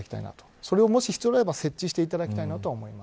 それを、もし必要であれば設置していただきたいと思います。